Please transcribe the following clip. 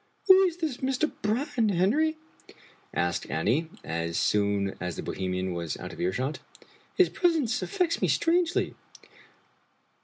" Who is this Mr. Brann, Henry? " asked Annie, as soonl as the Bohemian was out of earshot. "His presence af fects me strangely."